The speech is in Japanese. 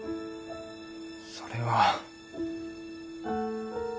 それは。